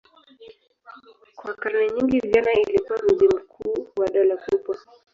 Kwa karne nyingi Vienna ilikuwa mji mkuu wa dola kubwa.